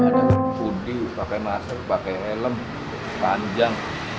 jadi pake elem panjang